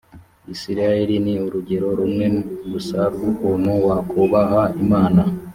isirayeli ni urugero rumwe gusa rw’ukuntu wakubaha imana